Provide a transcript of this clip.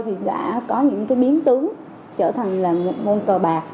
thì đã có những biến tướng trở thành là một môn cờ bạc